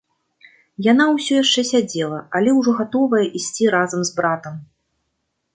Яна ўсё яшчэ сядзела, але ўжо гатовая ісці разам з братам.